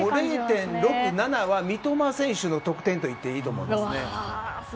０．６、０．７は三笘選手の得点と言っていいと思います。